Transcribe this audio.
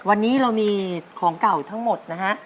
วันนี้เรามีของเก่าทั้งหมดนะฮะ